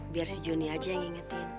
biar si johnny aja yang ngingetin